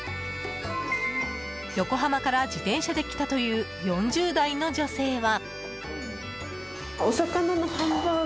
横浜から自転車で来たという４０代の女性は。